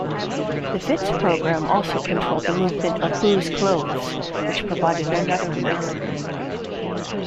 The Fizt program also controlled the movement of Boo's clothes, which provided another "breakthrough".